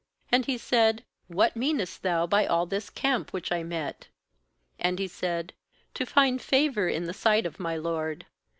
8And he said: 'What meanest thou by all this camp which I met? ' And he said: ' To find favour in the sight of my lord.'